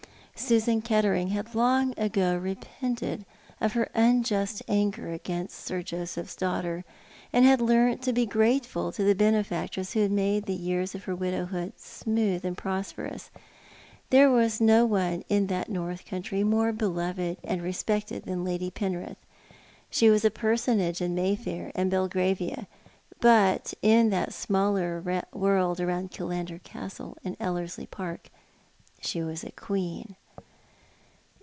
Susan Kettering had long ago repented of her unjust anger against Sir Joseph's daughter, and had learnt to be grateful to the benefactress who had made the years of her widowhood smooth and prosperous. There was no one in that north country more beloved and respected than Lady Penrith. She was a personage in Mayfair and Belgravia; but in that smaller world around Killander Castle and Ellerslie Park she was a queen.